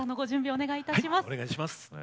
お願いします。